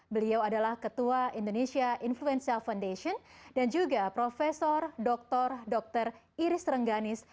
beliau adalah ketua indonesia influenza foundation dan juga prof dr dr iris rengganis